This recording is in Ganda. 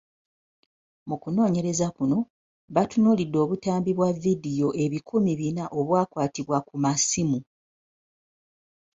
Mu kunoonyereza kuno, batunuulidde obutambi bwa vidiyo ebikumi bina obwakwatibwa ku masimu .